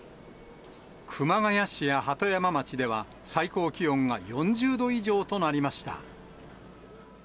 熊谷市や鳩山町では最高気温が４０度以上となりました。